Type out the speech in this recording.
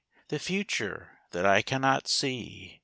The future that I cannot see!